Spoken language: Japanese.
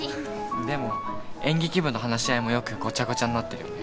でも演劇部の話し合いもよくごちゃごちゃになってるよね。